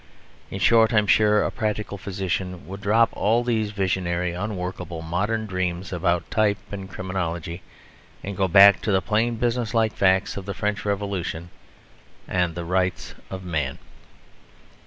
In short, I am sure a practical physician would drop all these visionary, unworkable modern dreams about type and criminology and go back to the plain business like facts of the French Revolution and the Rights of Man.